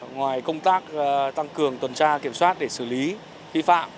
ngoài công tác tăng cường tuần tra kiểm soát để xử lý vi phạm